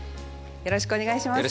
よろしくお願いします。